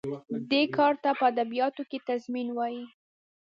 دې کار ته په ادبیاتو کې تضمین وايي.